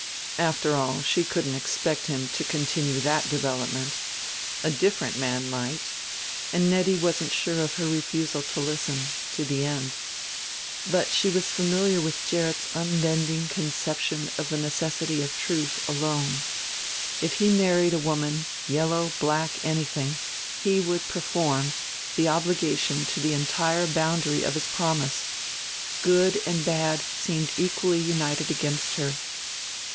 After all, she couldn't expect him to continue that development. A different man might; and Nettie wasn't sure of her refusal to listen...to the end. But she was familiar with Gerrit's unbending conception of the necessity of truth alone. If he married a woman, yellow, black, anything, he would perform, the obligation to the entire boundary of his promise. Good and bad seemed equally united against her.